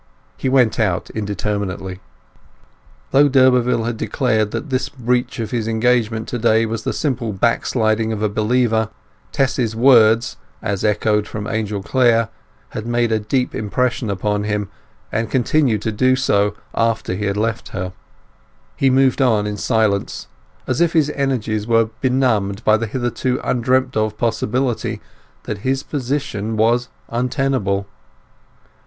He went out indeterminately. Though d'Urberville had declared that this breach of his engagement to day was the simple backsliding of a believer, Tess's words, as echoed from Angel Clare, had made a deep impression upon him, and continued to do so after he had left her. He moved on in silence, as if his energies were benumbed by the hitherto undreamt of possibility that his position was untenable.